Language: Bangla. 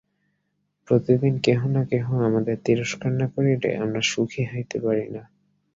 প্রতিদিন কেহ না কেহ আমাদের তিরস্কার না করিলে আমরা সুখী হইতে পারি না।